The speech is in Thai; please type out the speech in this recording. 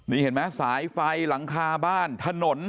นี่เห็นไหมสายไฟหลังคาบ้านถนน